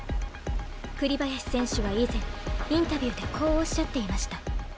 栗林選手は以前インタビューでこうおっしゃっていました。